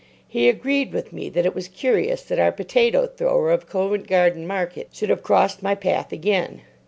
He agreed with me that it was curious that our potato thrower of Covent Garden market should have crossed my path again.